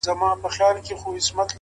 لټ پر لټ اوړمه د شپې. هغه چي بيا ياديږي.